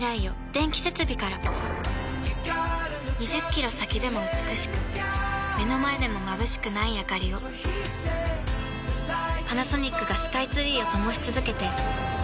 ２０キロ先でも美しく目の前でもまぶしくないあかりをパナソニックがスカイツリーを灯し続けて今年で１０年